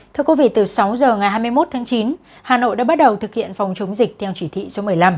thưa quý vị từ sáu giờ ngày hai mươi một tháng chín hà nội đã bắt đầu thực hiện phòng chống dịch theo chỉ thị số một mươi năm